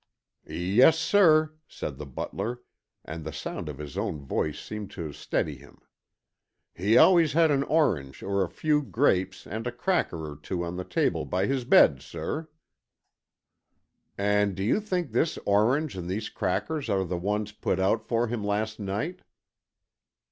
"Yes, sir," said the butler, and the sound of his own voice seemed to steady him. "He always had an orange or a few grapes and a cracker or two on the table by his bed, sir." "And do you think this orange and these crackers are the ones put out for him last night?"